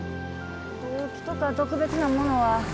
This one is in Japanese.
動機とか特別なものは。